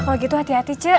kalau gitu hati hati cek